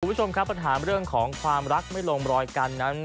คุณผู้ชมครับปัญหาเรื่องของความรักไม่ลงรอยกันนั้น